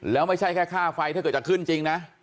แล้วไม่ใช่แค่ค่าไฟถ้าเกิดจะขึ้นจริงนะ